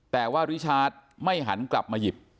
แต่ว่าริชาร์จไม่หันกลับมาหยิบ